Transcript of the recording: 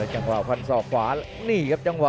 หมดเลยครับ